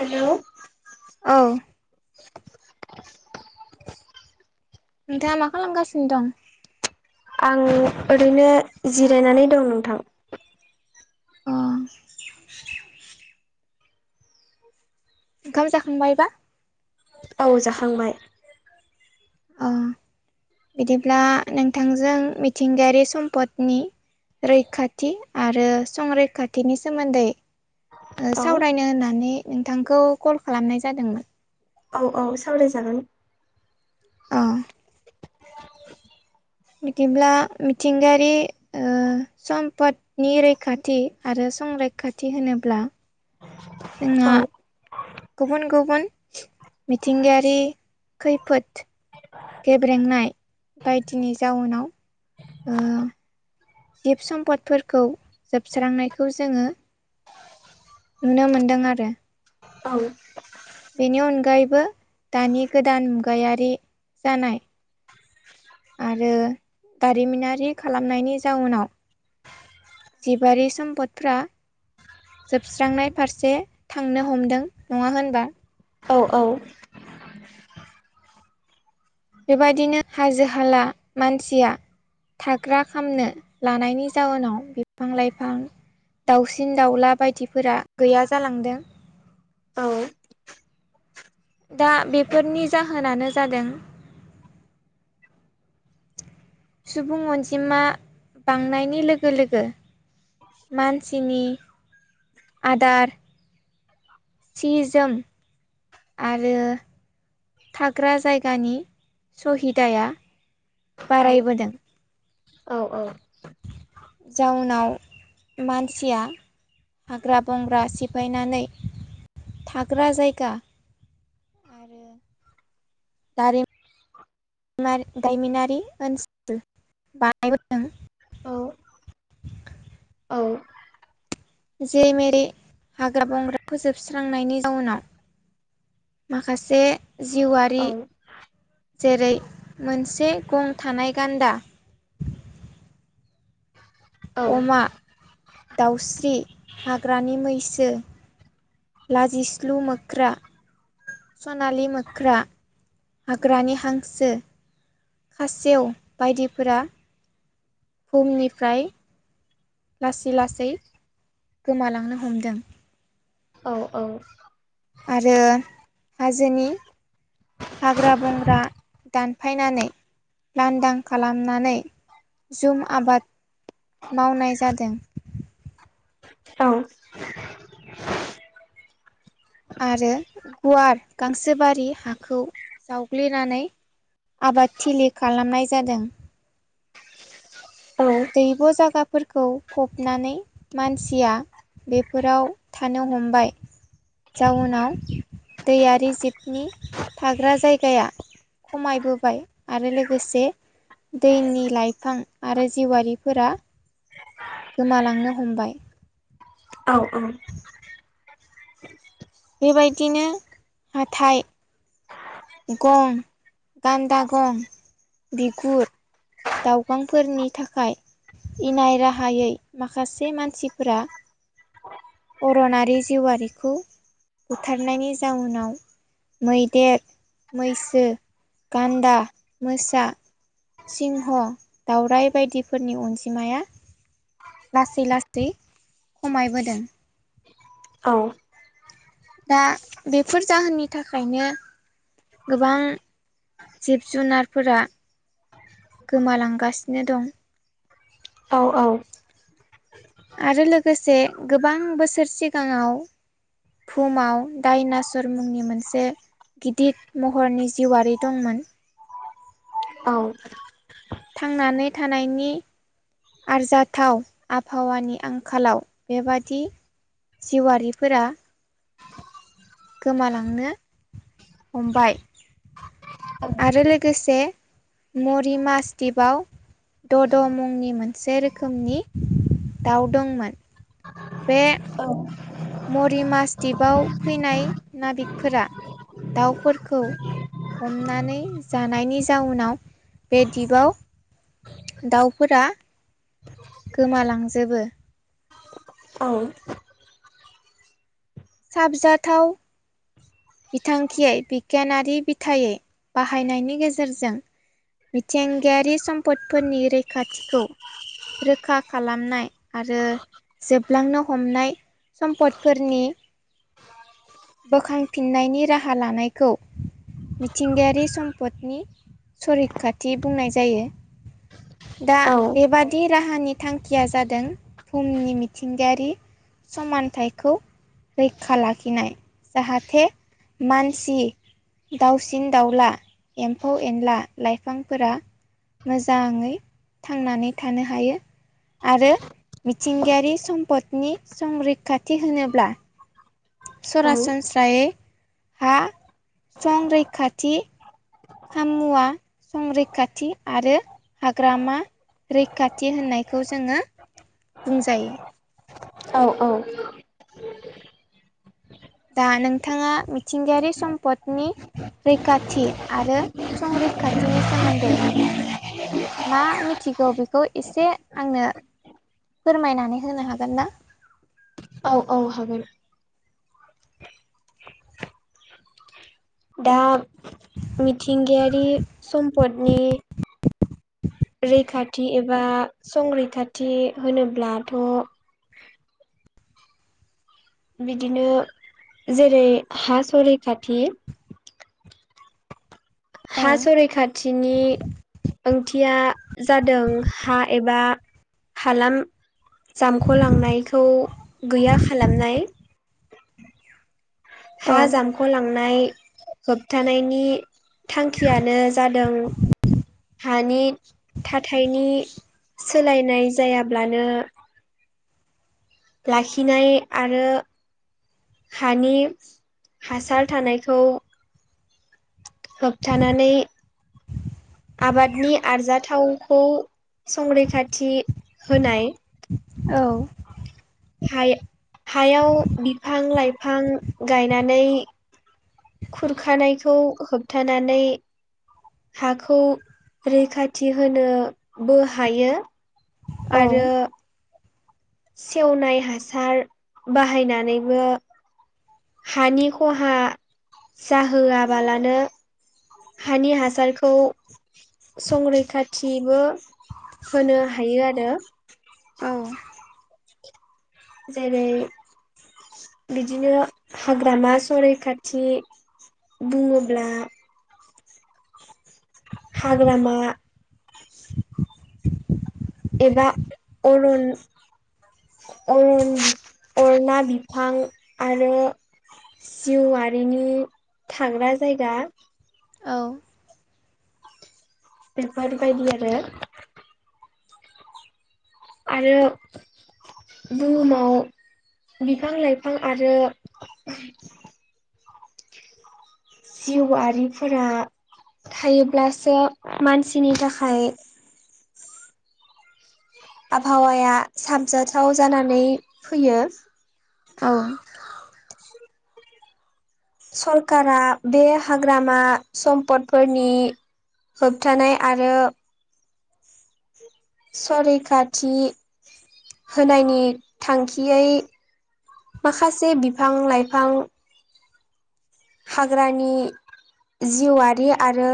Hello औ। [inaudible] नोंथाङा मा खालामगासिनो दं? आं ओरैनो जिरायनानै दं नोंथां। [inaudible] ओंखाम जाखांबायबा? औ जाखांबाय। औ बिदिब्ला नोंथांजों मिथिंगायारि सम्पदनि रैखाथि आरो संरैखाथिनि सोमोन्दै ओ औ सावरायनो होननानै नोंथांखौ कल खालामनाय जादोंमोन। औ औ सावरायजागोन। औ। [inaudible] बिदिब्ला मिथिंगायारि ओ सम्पदनि रैखाथि आरो संरैखाथि होनोब्ला जोंहा औ। गुबुन गुबुन मिथिंगायारि खैफोद गेब्रेंनाय बायदिनि जाउनाव ओ जिब सम्पदफोरखौ जोबस्रांनायखौ जोङो नुनो मोनदों आरो। औ बेनि अनगायैबो दानि गोदान मुगायारि जानाय आरो दारिमिनारि खालामनायनि जाउनाव जिबारि सम्पदफ्रा जोबस्रांनाय फारसे थांनो हमदों। नङा होमबा? औ औ बेबायदिनो हाजो हाला मानसिया थाग्रा खामनो लानायनि जाउनाव बिफां लाइफां दाउसिन दाउला बायदिफोरा गैया जालांदों। औ दा बेफोरनि जाहोनानो जादों सुबुं अनजिमा बांनायनि लोगो लोगो मानसिनि आदार सि जोम आरो थाग्रा जायगानि सहिदाया औ बारायबोदों। औ औ जाउनाव मानसिया हाग्रा बंग्रा सिफायनानै थाग्रा जायगा आरो दारिम मार दायमिनारि ओनसोल बानायबोदों। औ औ जे मेरै हाग्रा बंग्रा फोजोबस्रांनायनि जाउनाव माखासे जिउआरि जेरै मोनसे गं थानाय गान्दा अमा, दाउस्रि, हाग्रानि मैस सो, लाजिस्लु मोख्रा सनालि मोख्रा, हाग्रानि हांसो, खासेव बायदिफोरा भुमनिफ्राय लासै लासै गोमालांनो हमदों। औ औ। आरो हाजोनि हाग्रा बंग्रा दानफायनानै लांदां खालामनानै जुम आबाद मावनाय जादों। आरो गुवार गांसो बारि हाखौ जावग्लिनानै आबादथिलि खालामनाय जादों। दैब' जागा फोरखौ फबनानै मानसिया बेफोराव थानो हमबाय। जाउनाव दैयारि जिबनि थाग्रा जायगाया खमायबोबाय आरो लोगोसे दैनि लाइफां आरो जिउवारिफोरा गोमालांनो हमबाय। औ औ बेबायदिनो हाथाय गं गान्दा गं बिगुर दावगांफोरनि थाखाय इनाय राहायै माखासे मानसिफोरा अरनारि जिउ आरिखौ बुथारनायनि जाउनाव मैदेर मैसो गान्दा मोसा सिंह दावरायाइ बायदिफोरनि अनजिमाया लासै लासै खमायबोदों। औ दा बेफोर जाहोननि थाखायनो गोबां जिब जुनारफोरा गोमालांगासिनो दं। औ औ आरो लोगोसे गोबां बोसोर सिगाङाव भुहुमाव दायनाचवर मुंनि मोनसे गिदिर महरनि जिउआरि दंमोन। थांनानै थानायनि आरजाथाव आबहावानि आंखालाव बेबादि जिवारिफोरा गोमालांनो हमबाय आरो लोगोसे मरि मास दिपआव दद' मुंनि मोनसे रोखोमनि दाउ दंमोन बे औ मरिमास दिपआव फैनाय नाबिकफोरा दाउफोरखौ हमनानै जानायनि जाउनाव बे दिपआव दाउफोरा गोमालांजोबो। औ साबजाथाव बिथांखियै बिगियानारि बिथै बाहायनायनि गेजेरजों मिथिंगायारि सम्पदफोरनि रैखाथिखौ रोखा खालामनाय आरो जोबलांनो हमनाय सम्पदफोरनि बोखां फिन्नायनि राहा लानायखौ मिथिंगायारि सम्पदनि सरिखाथि बुंनाय जायो। दा बेबादि राहानि थांखिया जादों बुहुमनि मिथिंगायारि समानथाइखौ रैखा लाखिनाय जाहा थे मानसि दाउसिन दाउला एम्फौ एनला लाइफांफोरा मोजाङै थांनानै थानो हायो। आरो मिथिंगायारि सम्पदनि संरैखाथि होनोब्ला सरासनस्रायै हा संरैखाथि खामुवा संरैखाथि आरो हाग्रामा रैखाथि होननायखौ जोङो बुंजायो । औ औ । दा नोंथाङा मिथिंगायारि सम्पदनि रैखाथि आरो संरै खाथिनि सोमोन्दै मा मिथिगौ बेखौ एसे आंनो फोरमायनानै होनो हागोन ना? हागोन दा मिथिंगायारि सम्पदनि रैखाथि एबा संरैखाथि होनोब्लाथ' [inaudible] बिदिनो जेरै हा सरैखाथि औ हा सरैखाथिनि ओंथिया जादों हा एबा हालाम जामख'लांनायखौ गैया खालामनाय । हा औ जामख'लांनाय होबथानायनि थांखियानो जादों हानि थाथायनि सोलायनाय जायाब्लानो लाखिनाय आरो हानि हासार थानायखौ होबथानानै आबादनि आरजाथावखौ संरैखाथि होनाय । औ । हाय हायाव बिफां लाइफां गायनानै खुरखानायखौ होबथानानै हाखौ रैखाथि होनो बो हायो । औ आरो सेवनाय हासार बाहायनानैबो हानि खहा जाहोआबालानो हानि हासारखौ संरैखाथिबो होनो हायो आरो । औ । जेरै बिदिनो हाग्रामा सरैखाथि बुङोब्ला हाग्रामा एबा अरन अरन अरना बिफां आरो जिउआरिनि थाग्रा जायगा । औ । बेफोरबायदि आरो आरो बुहुमाव बिफां लाइफां आरो जिउआरिफोरा थायोब्लासो मानसिनि थाखाय आबहावाया साबजाथाव जानानै फैयो । औ । सरकारा बे हाग्रामा सम्पदफोरनि होबथानाय आरो सरैखाथि होनायनि थांखियै माखासे बिफां लाइफां हाग्रानि जिउआरि आरो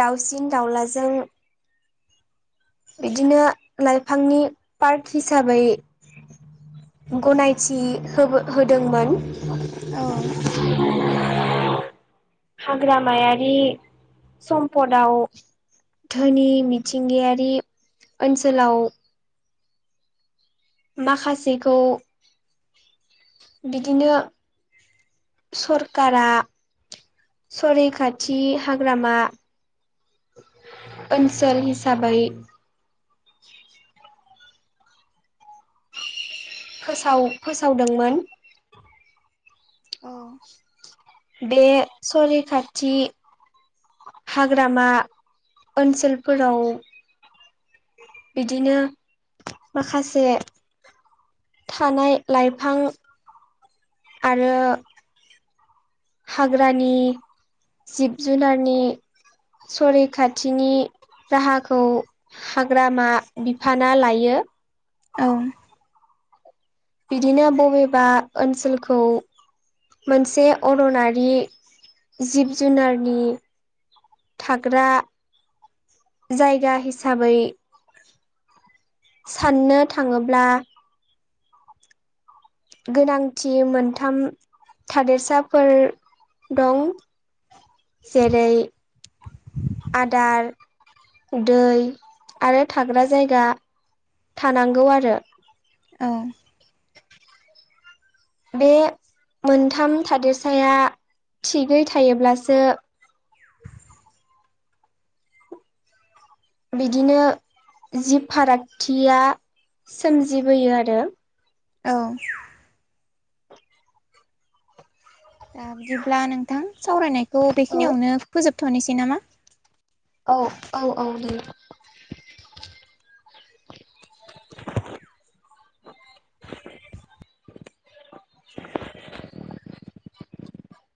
दाउसिन दाउलाजों बिदिनो लाइफांनि पार्क हिसाबै गनायथि होबो होदोंमोन। औ [inaudible] हाग्रामायारि सम्पदाव धोनि मिथिंगायारि ओनसोलाव माखासेखौ बिदिनो सरकारा सरैखाथि हाग्रामा ओनसोल हिसाबै फोसाव फोसावदोंमोन। अ। बे सरैखाथि हाग्रामा ओनसोलफोराव बिदिनो माखासे थानाय लाइफां आरो हाग्रानि जिब जुनारनि सरैखाथिनि राहाखौ हाग्रामा बिफाना लायो। औ। बिदिनो बबेबा ओनसोलखौ मोनसे अरनारि जिब जुनारनि थाग्रा जायगा हिसाबै साननो थाङोब्ला गोनांथि मोनथाम थादेरसाफोर दं। जेरै आदार, दै आरो थाग्रा जायगा थानांगौ आरो अ बे मोनथाम थादेरसाया थिगै थायोब्लासो बिदिनो जिब फारागथिया सोमजिबोयो आरो अ। दा बिदिब्ला नोंथां सावरायनायखौ औ बेखिनियावनो फोजोबथ'निसै नामा? औ औ औ दे। [inaudible] ज